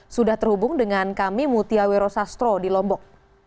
sudah terhubung dengan kami mutia wero sastro di lombok